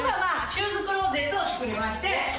シューズクローゼットを作りまして。